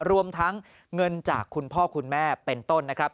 รวมทั้งเงินจากคุณพ่อคุณแม่เป็นต้นนะครับ